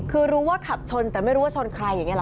คือรู้ว่าขับชนแต่ไม่รู้ว่าชนใครอย่างนี้หรอ